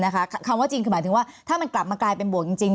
คำว่าจริงคือหมายถึงว่าถ้ามันกลับมากลายเป็นบวกจริง